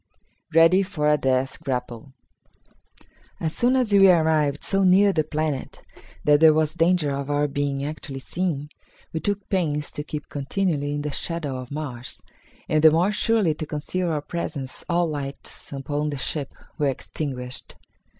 Ready for a Death Grapple. As soon as we arrived so near the planet that there was danger of our being actually seen, we took pains to keep continually in the shadow of Mars, and the more surely to conceal our presence all lights upon the ships were extinguished.